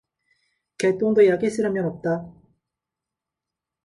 개똥도 약에 쓰려면 없다